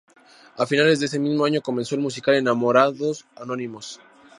A finales de ese mismo año comenzó el musical "Enamorados anónimos".